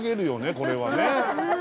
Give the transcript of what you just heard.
これはね。